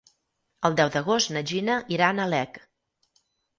El deu d'agost na Gina irà a Nalec.